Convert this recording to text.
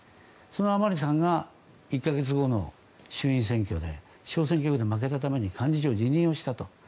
その甘利さんが１か月後の衆院選挙で小選挙区で負けたために幹事長を辞任したと。